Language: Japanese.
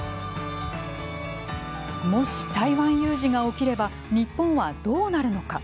もし台湾有事が起きれば日本はどうなるのか。